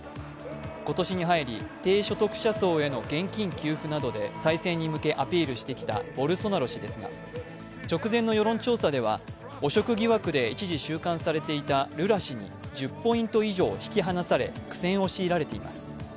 今年に入り、低所得者層への現金給付などで再選に向けアピールしてきたボルソナロ氏ですが直前の世論調査では、汚職疑惑で一時収監されていたルラ氏にルラ氏に１０ポイント以上引き離され、苦戦を強いられています。